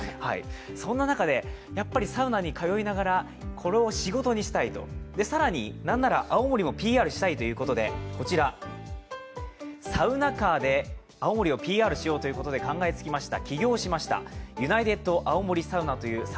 そんな中でサウナに通いながら、これを仕事にしたいと更に、何なら青森もＰＲしたいということでサウナカーで青森をＰＲしようと考えつきました。